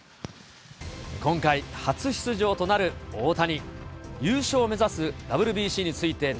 今回、初出場となる大谷。